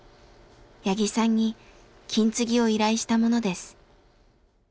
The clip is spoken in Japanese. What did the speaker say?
八木さんに金継ぎを依頼したものです。